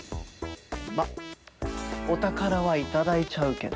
まあお宝はいただいちゃうけど。